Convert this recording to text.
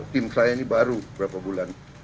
tim saya ini baru berapa bulan